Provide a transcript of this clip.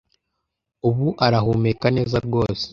ubu arahumeka neza rwose